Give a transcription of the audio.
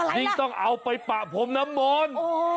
ยิ่งต้องเอาไปปลาผมน้ำบ่น